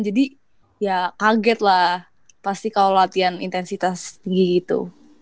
jadi ya kaget lah pasti kalo latihan intensitas tinggi gitu